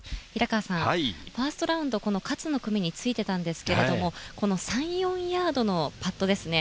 ファーストラウンド、勝の組でついていたんですけれど、３４ヤードのパットですね。